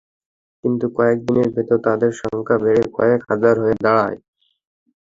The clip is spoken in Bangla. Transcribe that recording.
কিন্তু কয়েক দিনের ভেতর তাদের সংখ্যা বেড়ে কয়েক হাজার হয়ে দাঁড়ায়।